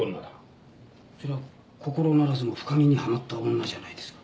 そりゃ心ならずも深みにはまった女じゃないですか。